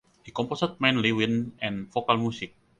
He composed mainly wind and vocal music.